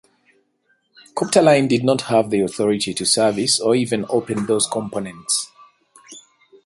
Copterline did not have the authority to service or even open these components.